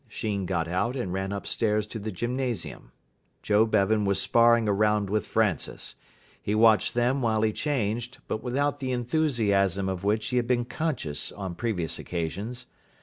Sheen got out and ran upstairs to the gymnasium. Joe Bevan was sparring a round with Francis. He watched them while he changed, but without the enthusiasm of which he had been conscious on previous occasions.